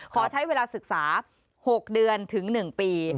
ขอใช้เวลาศึกษา๖เดือนถึง๑ปี